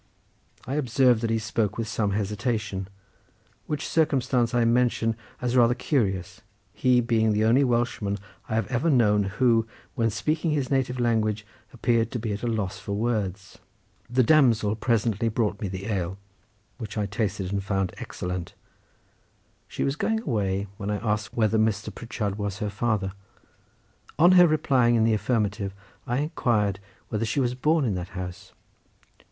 I observed that he spoke with some hesitation; which circumstance I mention as rather curious, he being the only Welshman I have ever known who, when speaking his native language, appeared to be at a loss for words. The damsel presently brought me the ale, which I tasted and found excellent; she was going away when I asked her whether Mr. Pritchard was her father; on her replying in the affirmative I inquired whether she was born in that house.